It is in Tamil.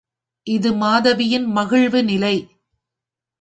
இது மாதவியின் மகிழ்வு நிலை.